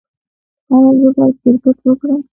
ایا زه باید کرکټ وکړم؟